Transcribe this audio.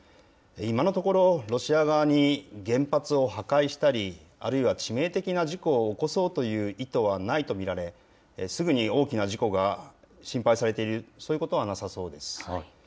今のところ、ロシア側に原発を破壊したり、あるいは致命的な事故を起こそうという意図はないと見られ、すぐに大きな事故が心配されている、そういうことはなさそうです。